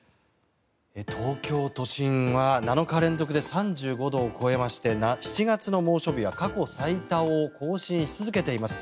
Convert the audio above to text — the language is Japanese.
東京都心は７日連続で３５度を超えまして７月の猛暑日は過去最多を更新し続けています。